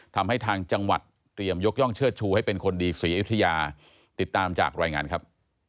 ทางจังหวัดเตรียมยกย่องเชิดชูให้เป็นคนดีศรีอยุธยาติดตามจากรายงานครับ